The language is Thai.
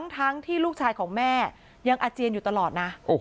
ทั้งที่ลูกชายของแม่ยังอาเจียนอยู่ตลอดนะ